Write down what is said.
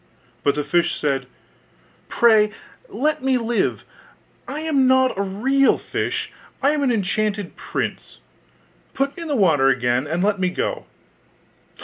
But the fish said, 'Pray let me live! I am not a real fish; I am an enchanted prince: put me in the water again, and let me go!